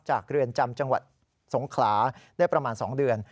เรือนจำจังหวัดสงขลาได้ประมาณ๒เดือน